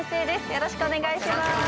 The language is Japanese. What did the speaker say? よろしくお願いします。